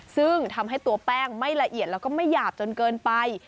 ซึ่งทำให้ตัวแป้งไม่ละเอียดแล้วก็ไม่หยาบจนเกินไป